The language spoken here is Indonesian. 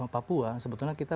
papua sebetulnya kita